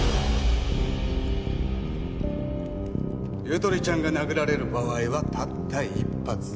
ゆとりちゃんが殴られる場合はたった一発。